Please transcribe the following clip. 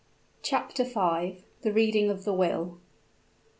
CHAPTER V. THE READING OF THE WILL.